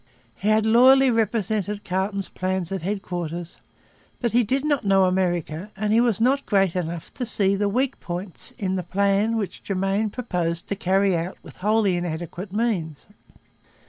He had loyally represented Carleton's plans at headquarters. But he did not know America and he was not great enough to see the weak points in the plan which Germain proposed to carry out with wholly inadequate means.